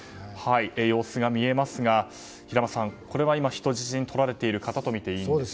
様子が見えますが、平松さんこれは今人質にとられている方とみていいんでしょうか。